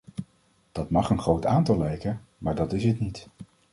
Dat mag een groot aantal lijken, maar dat is het niet.